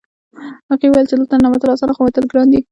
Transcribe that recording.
هغه وویل چې دلته ننوتل اسانه خو وتل ګران دي